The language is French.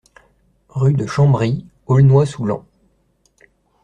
Rue de Chambry, Aulnois-sous-Laon